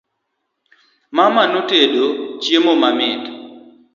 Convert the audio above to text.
Mama notedo chiemo mamit